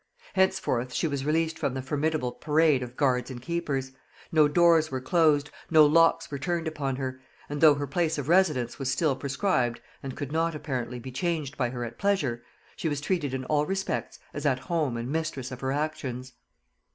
Henceforth she was released from the formidable parade of guards and keepers; no doors were closed, no locks were turned upon her; and though her place of residence was still prescribed, and could not, apparently, be changed by her at pleasure, she was treated in all respects as at home and mistress of her actions.